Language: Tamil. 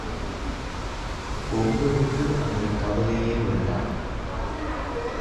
ஒங்களுக்கு அந்தக் கவலையே வேண்டாம்.